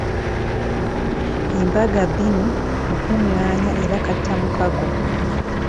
Embaga bbinu mukunggaanya era kattamukago.